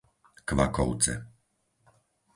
Kvakovce